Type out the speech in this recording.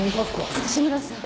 志村さん。